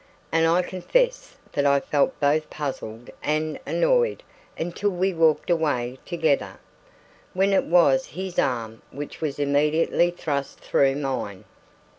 And I confess that I felt both puzzled and annoyed until we walked away together, when it was his arm which was immediately thrust through mine.